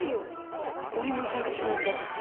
おっお礼もちゃんとしなきゃだし。